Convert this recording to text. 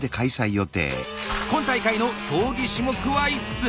今大会の競技種目は５つ。